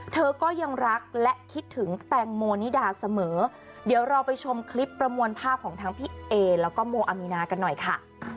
เธอก็ยังรักและคิดถึงแตงโมนิดาเสมอเดี๋ยวเราไปชมคลิปประมวลภาพของทั้งพี่เอแล้วก็โมอามีนากันหน่อยค่ะ